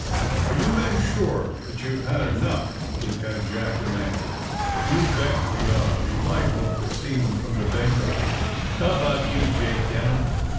*^Are you men sure that youVe had enough!" Lieutenant Jack demanded. '*You bet we are!" replied one of the seamen from the ^^Bengo." *^How about you, Jake Denham?"